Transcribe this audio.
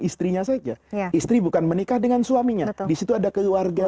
istrinya saja istri bukan menikah dengan suaminya disitu ada keluarga